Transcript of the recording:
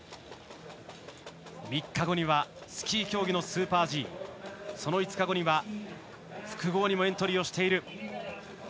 ３日後にはスキー競技のスーパーＧその５日後には複合にもエントリーしている。